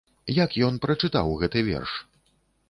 Як ён прачытаў гэты верш?